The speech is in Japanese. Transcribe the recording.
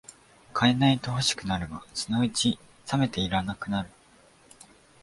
買えないと欲しくなるが、そのうちさめていらなくなる